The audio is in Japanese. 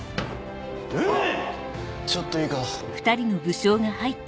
ちょっといいか？